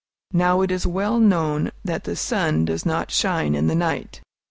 Now, it is well known that the sun does not shine in the night.